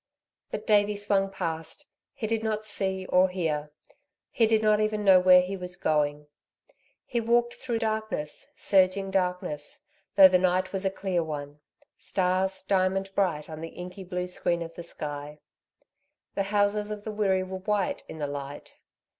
But Davey swung past. He did not see or hear. He did not even know where he was going. He walked through darkness, surging darkness, though the night was a clear one, stars diamond bright on the inky blue screen of the sky. The houses of the Wirree were white in the light.